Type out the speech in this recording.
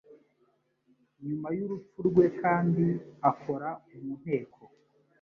nyuma y'urupfu rwe kandi akora mu Nteko